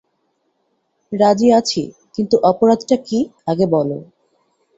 রাজি আছি, কিন্তু অপরাধটা কী আগে বলো।